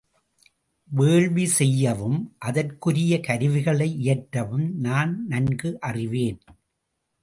வேள்வி செய்யவும் அதற்குரிய கருவிகளை இயற்றவும் நான் நன்கு அறிவேன்.